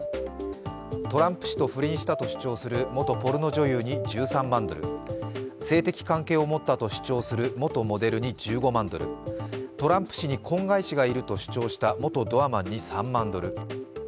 トランプ氏と不倫したと主張する元ポルノ女優に１３万ドル、性的関係を持ったと主張する元モデルに１５万ドル、トランプ氏に婚外子がいると主張した元ドアマンに３万ドル。